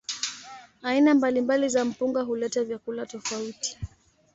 Aina mbalimbali za mpunga huleta vyakula tofauti.